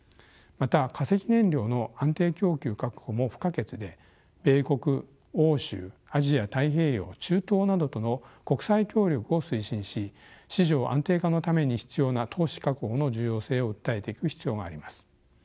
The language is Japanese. また化石燃料の安定供給確保も不可欠で米国・欧州・アジア太平洋・中東などとの国際協力を推進し市場安定化のために必要な投資確保の重要性を訴えていく必要があります。